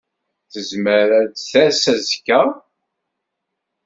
Tezmer ad d-tas azekka?